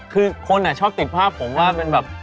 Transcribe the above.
คือคนชอบติดภาพผมว่าเป็นแบบ